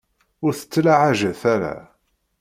Ur t-ttlaɛajet ara.